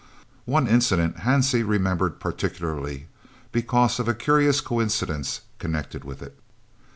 One incident Hansie remembered particularly, because of a curious coincidence connected with it.